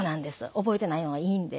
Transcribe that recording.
覚えていないのがいいんで。